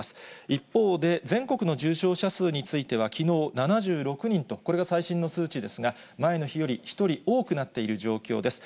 一方で、全国の重症者数についてはきのう、７６人と、これが最新の数値ですが、前の日より１人多くなっている状況です。